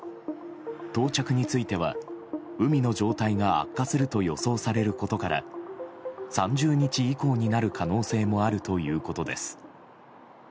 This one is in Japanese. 到着については、海の状態が悪化すると予想されることから３０日以降になる可能性もあるということです。